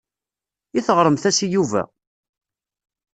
I teɣremt-as i Yuba?